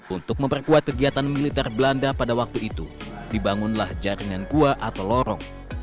untuk memperkuat kegiatan militer belanda pada waktu itu dibangunlah jaringan gua atau lorong